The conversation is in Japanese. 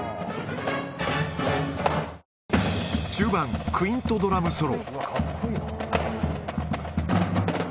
中盤、クイントドラムソロ。